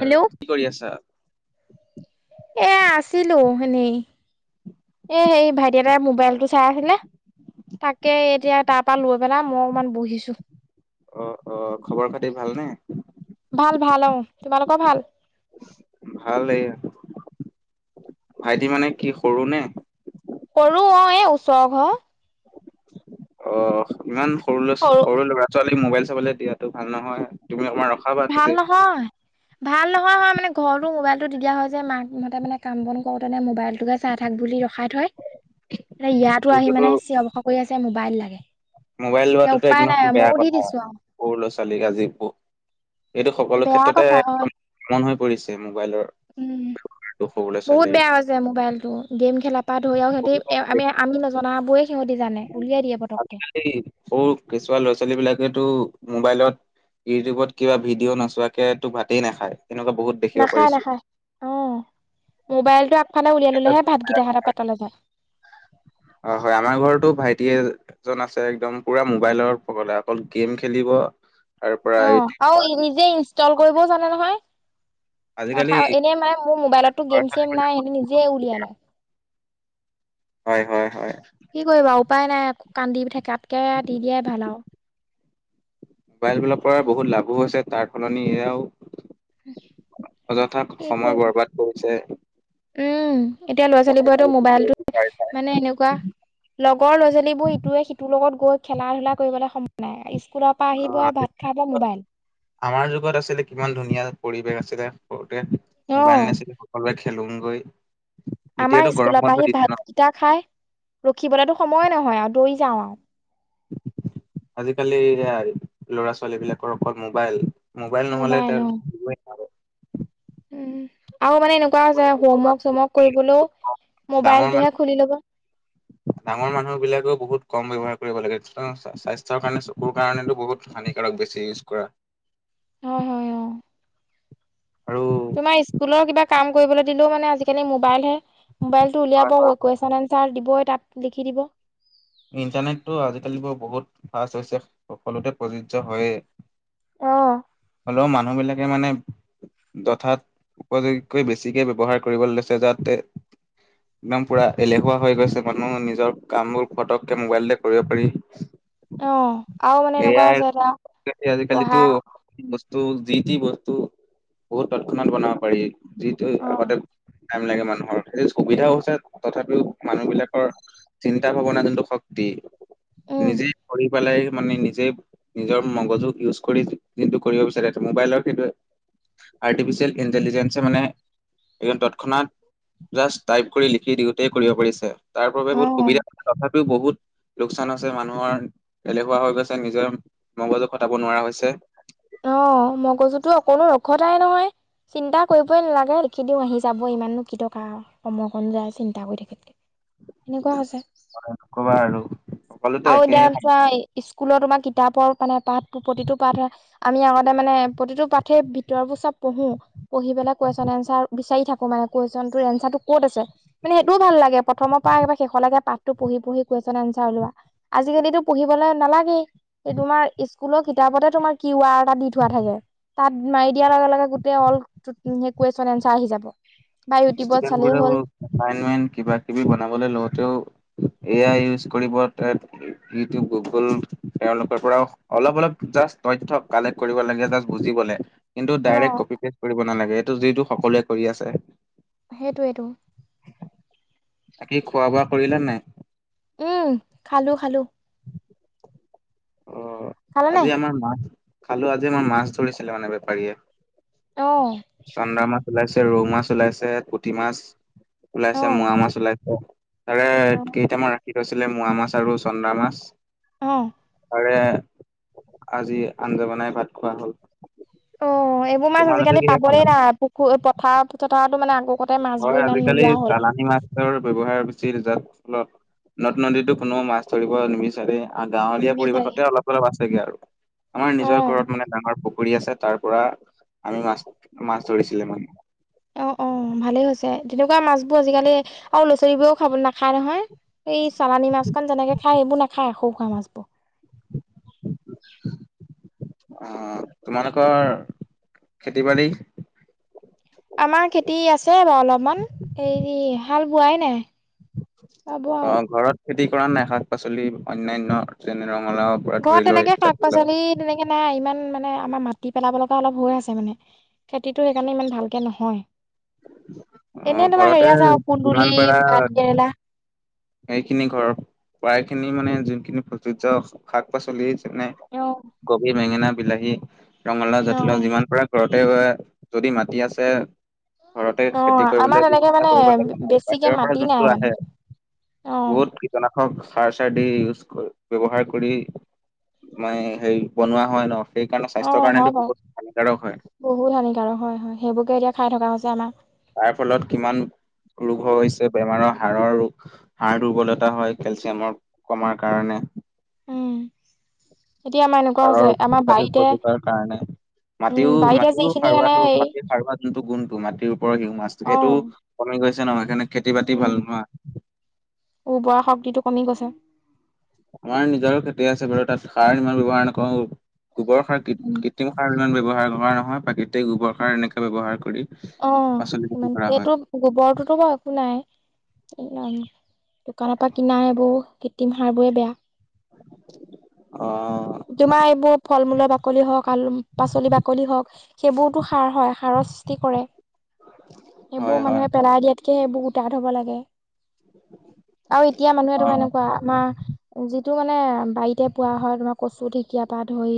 Hello কি কৰি আছা? এ আছিলো এনেই। এ সেই ভাইটি এটাৰ মোবাইল টো চাই আছিলে। তাকে এতিয়া তাৰ পৰা লৈ পেলাই মই অকমান বহিছো। অ', অ', আহ খবৰ খাতি ভালনে? ভাল ভাল অ', তোমালোকৰ ভাল? ভাল এইয়া, ভাইটি মানে কি সৰু নে? সৰু অ', এ ওচৰ ঘৰ অ', ইমান সৰু সৰু ল'ৰা ছোৱালীক মোবাইল চাবলৈ দিয়াটো ভাল নহয়। তুমি অকমান ৰখাবা ভাল নিজে। নহয় ভাল নহয় হয় মানে ঘৰতো মোবাইলটো দি দিয়া যে মাকহঁতে মানে কাম বন কৰোঁতে নে মোবাইলটোকে চাই থাক বুলি ৰখাই থয়, এয়া ইয়াতো আহি এইটোতো মানে চিঞৰ-বাখৰ কৰি আছে, মোবাইল লাগে। মোবাইল এতিয়া লোৱাটোতো উপায় একদম নাই বেয়া মইও দি কথা, দিছো আৰু সৰু ল ছোৱালীক আজি, এইটো সকলো বেয়া ক্ষেত্ৰতে কথা হয় কমন হৈ পৰিছে মোক উম [unintelligible] বহুত ছোৱালীৰ। বেয়া হৈছে মোবাইলটো গেম খেলা পা ধৰি আৰু সিহঁতি আমি, আমি নজনাবোৰে সিহঁতি জানে উলিয়াই দিয়ে পতককে। আজিকালি সৰু কেঁচুৱা ল'ৰা-ছোৱালী বিলাকেতো মোবাইলত, ইউটিউবত, কিবা ভিডিঅ' নোচোৱাকৈ তোক ভাতেই নাখায়। এনেকুৱা বহুত দেখিব পাৰিছোঁ। অ', মোবাইলটো আগফালে উলিয়াই ল'লেহে ভাতকিটা সিহঁতৰ পেটলৈ যায়। অ' হয়, আমাৰ ঘৰতো ভাইটি এজন আছে একদম পুৰা মোবাইলৰ পগলা, অকল গেম খেলিব, তাৰ পৰা অঁ এই কি আৰু কয় নিজে ইনষ্টল কৰিবও জানে নহয়। নাথা, এনেই মানে মোৰ মোবাইলতো গেম চেম ছোৱালীবিলাক নাই, নিজেই উলিয়াই লয়। হয়, হয়, হয়। কি কৰিবা উপায় নাই, কান্দি থাকাতকে দি দিয়াই ভাল আৰু। মোবাইলবিলাকৰ পৰা বহুত লাভও হৈছে তাৰ সলনি এয়াও অযথা কি সময় কৰিবা। বৰবাদ কৰিছে। উম, এতিয়া ল'ৰা ছোৱালীবোৰেতো মোবাইলটো মানে এনেকুৱা, লগৰ ল'ৰাছোালী বোৰ ইটোৱে- সিটোৰ লগত গৈ খেলা-ধূলা কৰিবলৈ সময় নাই, ইস্কুলৰ পৰা অ আহিব ভাত খাব, মোবাইল। আমাৰ যুগত আছিলে কিমান ধুনীয়া পৰিৱেশ আছিলে সৰুতে অ মোবাইল নাছিলে সকলোৱে খেলোংগৈ। আমাৰ এতিয়াতো গৰম ইস্কুলৰ পৰা বন্ধ আহি দিছে ন ভাতকিটা খাই ৰখিবলেতো সময়ে নহয় আৰু দৰি যাওঁ আৰু। আজিকালি এয়া, ল'ৰা ছোৱালী বিলাকৰ অকল মোবাইল। মোবাইল ন'হলে তেওঁ [unintelligible] উম। আৰু মানে এনেকুৱা আছে হোমৱৰ্ক তেওঁ চমৱৰ্ক কৰিবলৈও ডাঙৰ মোবাইলটোহে মানুহ খুলি ল'ব। ডাঙৰ মানুহবিলাকেও বহুত কম ব্যৱহাৰ কৰিব লাগে, স্বাস্থ্যৰ কাৰণে চকুৰ কাৰণেতো বহুত হানিকাৰক বেছি ইউজ কৰা। [inaudible] হয়, হয়, অ'। আৰু তোমাৰ ইস্কুলৰ কিবা কাম কৰিবলৈ দিলেও মানে আজিকালিও মোবাইল হে। মোবাইলটো উলিয়াব কুৱেশন এনচাৰ দিবই তাত, লিখি দিব। ইণ্টাৰনেটটো আজিকালি বাৰু বহুত ফাষ্ট হৈছে সকলোতে প্ৰযোজ্য হয়েই। অ হ'লেও মানুহবিলাকে মানে যথাত উপযোগীকৈ বেছিকে ব্যৱহাৰ কৰিবলৈ লৈছে যাতে একদম পুৰা এলেহুৱা হৈ গৈছে মানুহ নিজৰ কামবোৰ ফটককে মোবাইলতে কৰিব পাৰি। অ আৰু মানে এ এনেকুৱা হৈছে এটা আই পঢ়া আজিকালিটো বস্তু, যি তি বস্তু বহুত তৎক্ষণাত বনাব পাৰি যিটো অ আগতে টাইম লাগে মানুহৰ, স সুবিধাও আছে তথাপিও মানুহবিলাকৰ চিন্তা যোনটো শক্তি, উম নিজেই শৰ পেলাই মানে নিজেই নিজৰ মগজু ইউজ কৰি যিটো কৰিব বিচাৰে মোবাইলৰ সেইটো আৰ্টিফিচিয়েল ইণ্টেলিজেন্ঞ্চ য়ে মানে একদম তৎক্ষণাত জাষ্ট টাইপ কৰি লিখি দিওঁতে কৰিব পাৰিছে তাৰ বাবে বহুত অ সুবিধা তথাপিও বহুত লোকচান হয়চে মানুহৰ এলেহুৱা হৈ গৈছে নিজৰ মগজু খটাব নোৱাৰা হৈছে। [inaudible] অ' মগযুতো অকনো ৰখতাই নহয়, চিন্তা কৰিবই নালাগে লিখি দিওঁ আহি যাব ইমাননো কি দৰকাৰ। [unintelligible] সময়কণ যায় চিন্তা কৰি থাকাত কে সেনেকুৱা হৈছে। নকবা আৰু সকলোতে আও একেই দেন। [unintelligible] স্কুলত তোমাৰ কিতাপৰ মানে পাঠ প্ৰতিটো পাঠ আমি আগতে মানে প্ৰতিটো পাঠে ভিতৰবোৰ চব পঢ়ো পঢ়ি পলে কুৱেশন এনচাৰ বিচাৰি থাকো মানে কুৱেশন এনাৰ টো ক'ত আছে মানে সেইটোও ভাল লাগে প্ৰথমৰ পৰা একবাৰ শেষলৈাগে পঠটো পঢ়ি পঢ়ি কুৱেশ্যন আনচাৰ ওলোৱা। আজিকালিতো পঢ়িবলে নালাগেই এই তোমাৰ স্কুলৰ কিতাপতে তোমাৰ কিৱাৰ দি থোৱা থাকে তাত মাৰি দিয়াৰ লগে লগে গোটেই অল কুৱেশন এনচাৰ আহি যাব। বা ইউটিউবত ষ্টুডেণ্ট চালেই হ'ল বোৰেও [unintelligible] কিবা কিবি বনাবলৈ লওঁতেও এ আই ইউজ কৰিব ইউটিউব গুগল তেওঁলোকৰ পৰা অলপ অলপ [unintelligible] তইথ কালেক কৰিব লাগে বুজিবলৈ। কিন্তু অ ডাইৰেক্ট কপি পেষ্ট কৰিব নালাগে এইটো যিটো সকলোৱে কৰি আছে। সেইটোৱেইটো, বাকী খোৱা বোৱা কৰিলা নাই? উম, খালো-খালো। অ' খালানে আজি আমাৰ মাছ খালো আজি আমাৰ মাছ ধৰিছিলে মানে অ বেপাৰীয়ে। চন্দা মাছ, ওলাইছে ৰৌ মাছ, ওলাইছে পুঠি মাছ। অ ওলাইছে মোৱা মাছ ওলাইছে তাৰে অ কেইটামান [unintelligible] আছিলে মোৱা মাছ, আৰু চন্দা মাছ। অ'। তাৰে আজি আঞ্জা বনাই ভাত খোৱা হ'ল। অ এইবোৰ মাছ তোমালোকে আজিকালি কিহে খালা? পাবৰেই নাই পুখু পথাৰ চথাৰতো মানে আগকতে মাছবোৰ হয় ইমান আজিকালি নোলোৱা হ'ল চালানি মাছৰ ব্যৱহাৰ বেচি। [unintelligible] নদ নদীতটো কোনো মাছ ধৰিব নিবিচাৰে। গাঁৱলীয়া নিবিচাৰি পৰিৱেশতে অলপ-অলপ আছেগে আৰু আমাৰ অ নিজৰ ঘৰত মানে ডাঙৰ পুখু ফুৰি আছে তাৰ পৰা আমি মাছ-মাছ ধৰিছিলে মানে। অ অ ভালেই হৈছে তেনেকুৱা মাছ বোৰ আজিকালি আৰু ল' ছোৱালীবোৰেও খাব নাখায় নহয়। এই চালানী মাছখন যেনেকে খাই এইবোৰ নাখায় [unintelligible] খোৱা মাছবোৰ। [inaudible] অ' তোমালোকৰ খেতি বাৰী আমাৰ খেতি আছে বাৰু অলপমান হেৰি হাল বোৱাই নাই। বাব আৰু অ' ঘৰত খেতি কৰা নাই শাক পাচলি অন্যান্য যেনে ৰঙালাওৰ পৰা ধৰি ঘৰত লৈ তেনেকে শাক জাতিলাও পাচলি তেনেকে নাই ইমান মানে এ আমাৰ মাটি পেলাব লগা অলপ হৈ আছে মানে খেতিতো সেইকাৰণে ইমান ভালকে নহয়। অ এনে তোমাৰ ঘৰতে হেৰি আছে যিমান কুন্দুলি, পাৰা ভাত কেৰেলা। সেইখিনি ঘৰ প্ৰায় খিনি মানে যোনখিনি প্ৰযোজ্ শাক পাচলি মানে অ কবি বেঙেনা বিলাহী ৰঙালাও অ জাতিলাও যিমান পাৰা ঘৰতে গ যদি মাতি আছে ঘৰতে অ খেতি আমাৰ কৰিবলৈ তেনেকে ব্যাবচতা মানে কৰিব লাগে ন বেছিকে বাহিৰৰ পৰা মাটি নাই যোনটো মানে আহে অ বহুত কীটনাশক সাৰ চাৰ দি ইউজকৰি ব্যৱহাৰ কৰি মানে হেৰি বনোৱা হয় ন। সেইকাৰণে স্বাস্থ্যৰ অ' কাৰণেতো হয় বাৰু বহুত হানিকাৰক হয় বহুত হানিকাৰক হয়-হয় সেইবোৰকে এতিয়া খাই থকা হৈছে আমাৰ। তাৰ ফলত কিমান ৰোগ হৈছে বেমাৰৰ হাৰৰ দুৰ্বলতা হয় কেলচিয়ামৰ কমাৰ কাৰণে। উম, এতিয়া আমাৰ এনেকুৱা হাড়ৰ হৈছে আমাৰ অত্যাধিক বাৰীতে ক্ষতি কৰাৰ কাৰণে উম মাটিও বাৰীতে মাটিও যিখিনি মানে সাৰুৱাটো এই মাটিৰ সাৰুৱা যোনটো গুণটো মাটিৰ ওপৰ সিউ মাছটো অ সেইটো কমি গৈছে। ানে উম উৰ্বৰা শক্তিটো কমি গৈছে আমাৰ নিজৰো খেতি আছে ব তাত সাৰ নিই ব্যৱহাৰ নকৰো গোবৰ সাৰ উম কৃত্ৰিম সাৰ ইমান ব্যৱহাৰ কৰা নহয় প্ৰাকৃতিক গোবৰ সাৰ এনেকে ব্যৱহাৰ কৰি অ পাচলি খেতি মমান কৰা হয় সেইটো গোবৰটোতো বাৰু একো নাই দোকানৰ পৰা কিনা এইবোৰ কৃত্ৰিম সাৰ বোৰে বেয়া অ তোমাৰ এইবোৰ ফল মূলৰ বাকলি হওক আলু পাচলি বাকলি হওক সেইবোৰতো সাৰ হয় সাৰৰ সষ্টি কৰে হয় সেইবোৰ হয় মানুহে পেলাই দিয়াতকে সেইবোৰ হব লাগে আৰু এতিয়া মানুহে অ তোম এনেকুৱা আমাৰি টো মানে বাৰীতে পোৱা হয় তোমাক কচু ঢেকীয়া পা ধই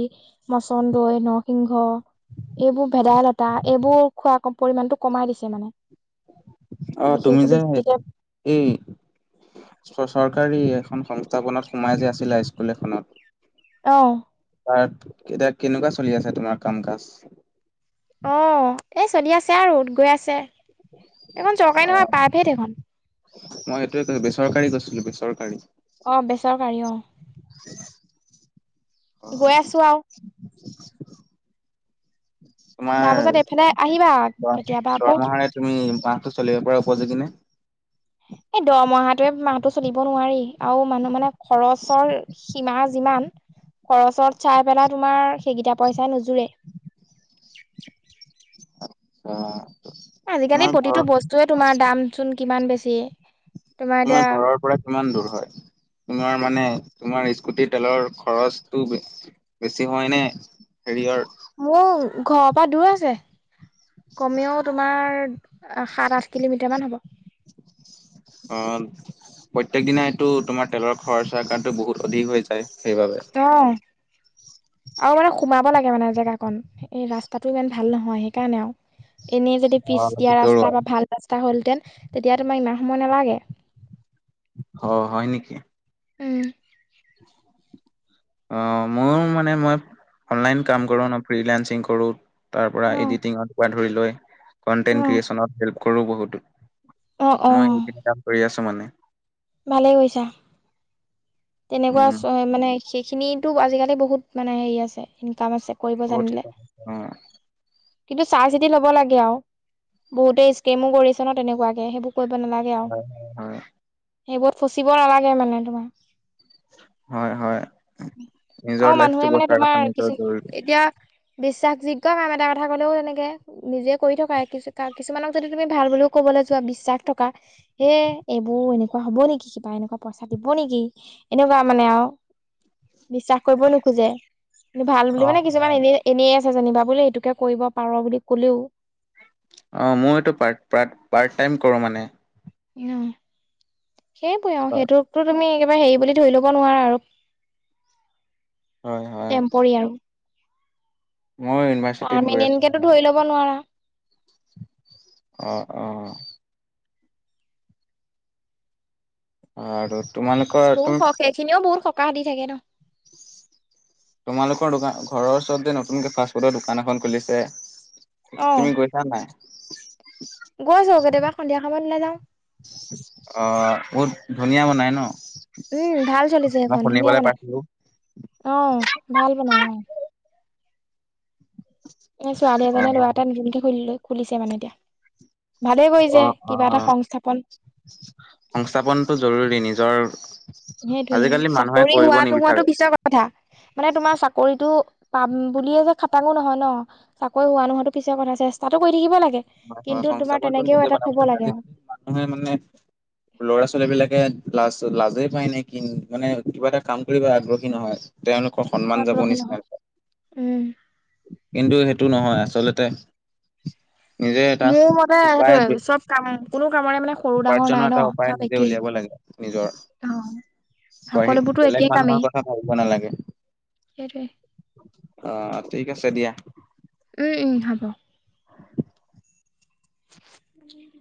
মাচন্দন্দৈ নৰসিংহ এইবোৰ ভেদাইলতা এইবোৰ খোৱা পৰিমমানটো কমাই দিছে মানে অ তুমি বিশেষ যে বেছিকে এই চৰকাৰী এখন সংস্থাপনত সোমাই যে আছিলে স্কুল এখনত অ ত এতিয়া কেনেকুৱা চলি আছে তোমাৰ কাম কাজ অ এই চলি আছে আৰু গৈ আছে এখন চৰকাৰী অ নহোৱা পাইভেদ এখন মই সেইটোৱে কৈছো বেচৰকাৰী কৈছিলো বেচৰকাৰী অ বেচাও কাৰী অ অ গৈ আছো আও তাৰ তোমাৰ পাছত এইফালে আহিবা দ কেতিয়াবা আকৌ দৰমহাৰে তুমি মাহটো চলিব পাৰা উপযোগী নে এই দৰমহটোৱে মাহটো চলিব নোৱাৰি আৰু মানুহ মানে খৰচৰ সীমা যিমান খৰচত চাই পেলাই তোমাৰ সেইকেইটা পইচাই নোযোৰে অ আজিকালি প্ৰতিটো বস্তুৱে তোমাৰ দাম চোন কিমান বেছি তোমাৰ ঘৰৰ পৰা কিমান দূৰ হয় তোমাৰ মানে তোমাৰ স্কুল স্কুটী তেলৰ খৰচটো ব বেছি হয়নে হেৰি হয় মো ঘ পা দূৰ আছে কমেও তোমাৰ আহ সাত আঠ কিলোমিটাৰ মান হ'ব অ প্ৰত্যেক দিনাই টো তোমাৰ তেলৰ খৰচা কাৰণে বহুত অধিক হৈ যায় সেইবাবে। অ আৰু মানে সোমাব লাগে মানে জেগাকন এই ৰাস্তাটো ইমান ভাল নহয় সেইকাৰণে আৰু এনেই যদি পিছ দিয়া অ ৰাস্তা বা ভাল ৰাস্তা হলহেতেন তেতিয়া তোমাৰ ইমান সম নবাগে [inaudible] অ হয় নেকি উম অ মোৰ মানে মই অনলাইন কাম কৰো ন ফ্ৰি লেন্চিং কৰো তাৰ পৰা অ', এডিটিঙত পৰা ধৰি লৈ কন্টেন্ট অ', ক্ৰিয়েচনত হেল্প কৰোঁ বহুতো অ', মই এইেইখিনি কাম কৰি আছো মানে ভালে কৈছা তেনেকুৱা উম চ মানে সেইখিনি আজিকালি বহুত মানে হেৰি আছে ইনকাম আছে কৰিব অত জানিলে। [inaudible] কিন্তু চাই চিতি ল'ব লাগে আও বহুতে স্কেমো কৰিছে ন তেনেকুৱাকে সেইবোৰ হয় হয় হয় সেইবোৰ ত ফচিব নালাগে মানে তোমাৰ হয় হয় নিজৰ অ, লাইফটো মানুহে মানে বচাই ৰখা তোমাৰ নিজৰ কিছু জৰুৰী এতিয়া। বিশ্বাসযোগ্য কাম এটা কথা কলেও হেনেকে নিজে কৰি থকা ই কিছুমানক যদি তুমি ভাল বুলিও ক'ও যোৱা বিশ্বাস থকা এ এইবোৰ এনেকুৱা হব নেকি কিবা এনেকুৱা পইচা দিব নেকি। এনেকুৱা মানে আও বিশ্বাস কৰিব নোখোজে কি ভাল বুলি অ মানে অ কিছুমান এনে এনেই। যেনিবা বোলে এইটোকে কৰিব পাৰ বুলি কলেও। অ, মই এইটো পাৰ - পাৰট টাইম কৰো মানে। সেইবোৰে আও হয় সেইটো তুমি হেৰি বুলি ধৰি লব নোৱাৰা আৰু হয় হয় টেম্পৰি আৰু মই ইউনিভাৰ্চিটিত গৈ পাৰমিন আছো এনকেতো মানে ধৰি লব নোৱাৰা। অ - অ। আৰু তোমালোকৰ বহুত তুমি সক এইখিনিও বহুত সকাহ দি থাকে ন। [inaudible] তোমালোকৰ দোকান ঘৰৰ ওচৰত যে নতুনকে ফাষ্টফুডৰ দোকান এখন খুলিছে। অ তুমি গৈছা নে নাই। গৈছো কেতিয়াবা সন্ধিয়া সময়ত ওলায় যাও। অ, বহুত ধুনীয়া বনাই ন। উম, ভাল চলিছে মই সেইখন ধুনীয়া শুনিবলৈ বনাই পাইছিলো অহ ভাল বনাই আহ। এ ছোৱালী অ এজীয়ে ল'ৰাটা নুনকে খ খুলিছে মানে এতিয়া ভালেই অ কৰিছে - অ কিবা এটা সংস্থাপন সংস্থাপনতটো জৰুৰী নিজৰ সেইটোয়ে আজিকালি মানুহে চাকৰি কৰিব হোৱাটো নিবিচাৰে হো পিছৰ কথা মানে তোমাৰ চাকৰিতটো পাম বুলিয়ে যে খাটাঙো নহয় ন চাকৰি হোৱা নোহোৱা পিছে কথা চেষ্টাতটো কৰি থাকিব লাগে। হয় - হয় কিন্তু তোমাৰ সংস্থাপনটো তেনেকেও নিজ প এটাত থ'ব লাগে আজিকালি আৰু মানুহে মানে ল'ৰা ছোৱালী বিলাকে। লাজ- লাজেই পায় নে কি মানে কিবা এটা কাম কৰিব আগ্ৰহী নহয়। তেওলোকৰ সন্মান যাব আগ্ৰহী নিচিন নহয় উম কিন্তু সেইটো টো নহয় আচলতে। নিজে এটা মোৰ মতে উপায় সেইটোয়ে বে- চব কাম কোনো কামৰে মানে সৰু ডাঙৰ নাই উপাৰ্জনৰ ন এটা উপায় চব নিজে একেই উলিয়াব লাগে নিজৰ। অ বি সকলোবোৰতো একেই বেলেগ কামেই মানুহৰ কথা ভাবিব নালাগে। সেইটোৱে অহ, ঠিক আছে দিয়া। উম - উম হ'ব। উম,